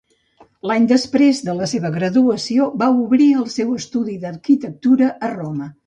L'any després de la seva graduació, va obrir el seu estudi d'arquitectura a Roma.